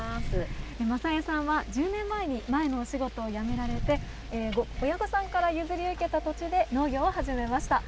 成江さんは１０年前に前のお仕事を辞められて、親御さんから譲り受けた土地で農業を始めました。